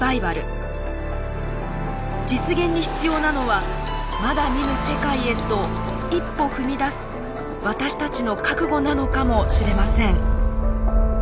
実現に必要なのはまだ見ぬ世界へと一歩踏み出す私たちの覚悟なのかもしれません。